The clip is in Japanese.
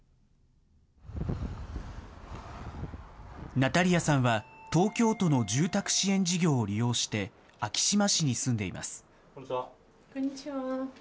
ナタリアさんは東京都の住宅支援事業を利用して、昭島市に住んでいます。